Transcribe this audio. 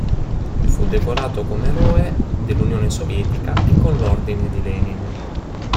Fu decorato come eroe dell'Unione Sovietica e con l'ordine di Lenin.